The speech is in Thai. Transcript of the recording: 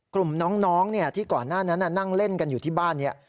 กลุ่มน้องที่ก่อนหน้านั้นนั่งเล่นกันอยู่ที่บ้านนี้